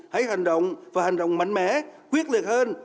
hãy hành động và hành động mạnh mẽ quyết liệt hơn